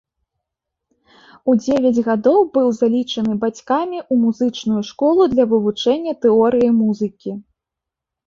У дзевяць гадоў быў залічаны бацькамі ў музычную школу для вывучэння тэорыі музыкі.